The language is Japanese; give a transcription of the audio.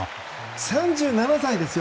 ３７歳ですよ。